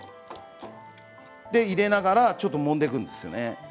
入れながらちょっともんでいくんですよね。